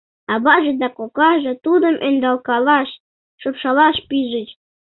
Аваже да кокаже тудым ӧндалкалаш, шупшалаш пижыч.